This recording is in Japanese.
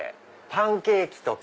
パンケーキとか。